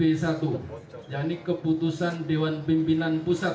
yang ini keputusan dewan pimpinan pusat